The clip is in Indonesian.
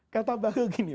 kata bahlul gini